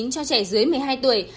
cho trẻ dưới một mươi hai tuổi